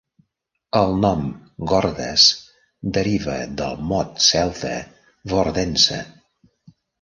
El nom "Gordes" deriva del mot celta "Vordense".